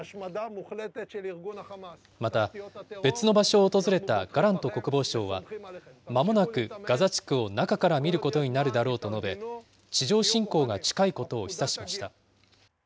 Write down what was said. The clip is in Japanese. また別の場所を訪れたガラント国防相は、まもなくガザ地区を中から見ることになるだろうと述べ、地上侵攻が近いことを示唆しました。